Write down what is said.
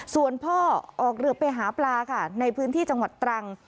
ส่วนพ่อออกเรือไปหาปลาค่ะในพื้นที่จังหวัดตรัง